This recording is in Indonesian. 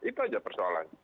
itu saja persoalannya